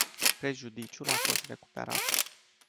Prejudiciul a fost recuperat.